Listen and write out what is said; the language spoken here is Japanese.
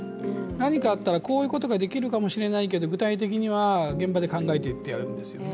何かあったらこういうことができるかもしれないけど具体的には現場で考えてってやるんですよね。